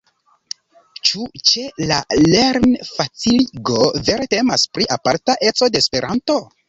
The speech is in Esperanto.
Ĉu ĉe la lernfaciligo vere temas pri aparta eco de Esperanto?